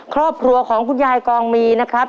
ครอบครัวของคุณยายกองมีนะครับ